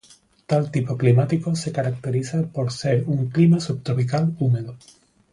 Tal tipo climático se caracteriza por ser un clima subtropical húmedo.